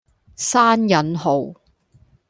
閂引號